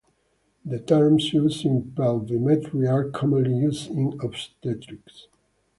The terms used in pelvimetry are commonly used in obstetrics.